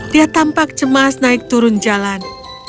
dia tampak cemas naik turun jalan